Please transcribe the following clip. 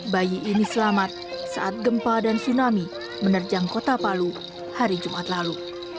bayi ini selamat saat gempa dan tsunami menerjang kota palu hari jumat lalu